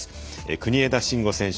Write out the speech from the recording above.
国枝慎吾選手